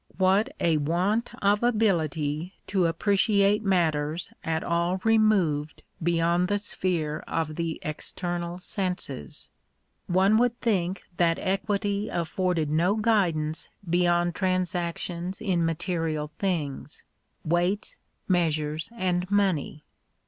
What a want of ability to appreciate matters at all removed beyond the sphere of the external senses! One would think that equity afforded no guidance beyond transactions in material things — weights, measures, and money.